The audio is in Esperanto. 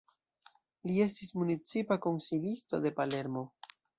Li estis municipa konsilisto de Palermo.